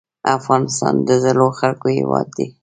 افغانستان د زړورو خلکو هیواد دی